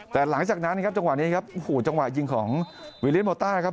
แต่หลังจากนั้นนะครับจังหวะนี้ครับโอ้โหจังหวะยิงของวิลิโมต้าครับ